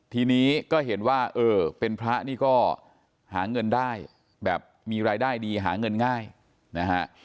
ทีนี้ก็เห็นว่าเออเป็นพระนี่ก็หาเงินได้แบบมีรายได้ดีหาเงินง่ายนะฮะ